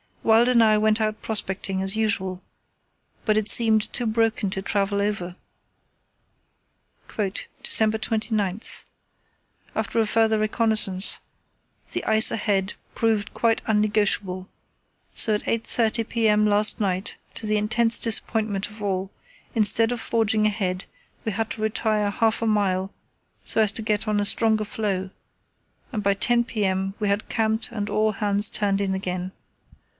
Wild and I went out prospecting as usual, but it seemed too broken to travel over. "December 29.—After a further reconnaissance the ice ahead proved quite un negotiable, so at 8.30 p.m. last night, to the intense disappointment of all, instead of forging ahead, we had to retire half a mile so as to get on a stronger floe, and by 10 p.m. we had camped and all hands turned in again.